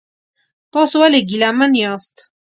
تاسو ولې ګیلمن یاست؟